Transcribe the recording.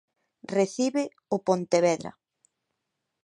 Recibe o Pontevedra.